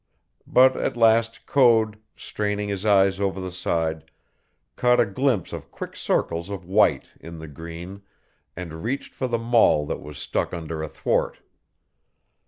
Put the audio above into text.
But at last Code, straining his eyes over the side, caught a glimpse of quick circles of white in the green and reached for the maul that was stuck under a thwart.